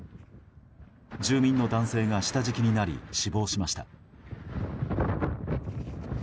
住民の男性が下敷きになり死亡しました。